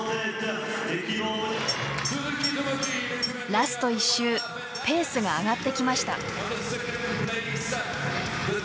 ラスト１周ペースが上がってきました。